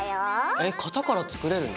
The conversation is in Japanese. え⁉型から作れるの？